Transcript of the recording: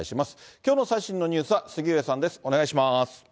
きょうの最新のニュースは、杉上さんです。